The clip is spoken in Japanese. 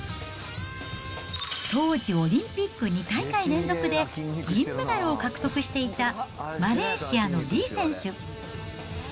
当時、オリンピック２大会連続で銀メダルを獲得していたマレーシアのリー選手。